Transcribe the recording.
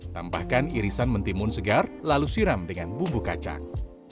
tambahkan irisan mentimun segar lalu siram dengan bumbu kacang